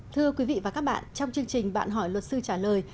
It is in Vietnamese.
thưa quý vị và các bạn trong chương trình bạn hỏi luật sư trả lời